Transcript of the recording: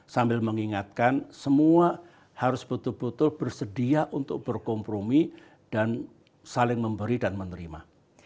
sambil mengingatkan semua harus betul betul bersedia untuk berkompromi dan saling memberi dan menerima